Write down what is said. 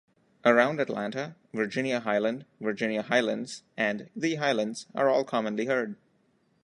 Around Atlanta, "Virginia-Highland", "Virginia Highlands" and "the Highlands" are all commonly heard.